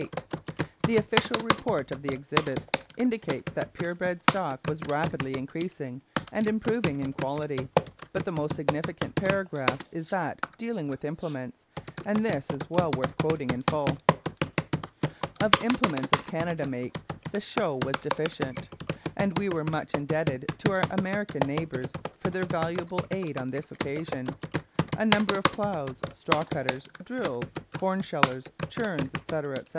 The official report of the exhibits indicates that pure bred stock was rapidly increasing and improving in quality; but the most significant paragraph is that dealing with implements, and this is well worth quoting in full. Of implements of Canada make, the Show was deficient; and we were much indebted to our American neighbours for their valuable aid on this occasion. A large number of ploughs, straw cutters, drills, cornshellers, churns, etc., etc.